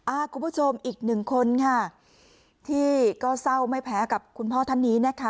คุณผู้ชมอีกหนึ่งคนค่ะที่ก็เศร้าไม่แพ้กับคุณพ่อท่านนี้นะคะ